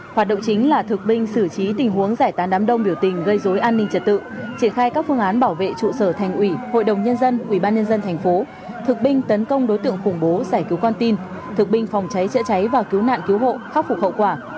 hoạt động chính là thực binh xử trí tình huống giải tán đám đông biểu tình gây dối an ninh trật tự triển khai các phương án bảo vệ trụ sở thành ủy hội đồng nhân dân ubnd tp thực binh tấn công đối tượng khủng bố giải cứu con tin thực binh phòng cháy chữa cháy và cứu nạn cứu hộ khắc phục hậu quả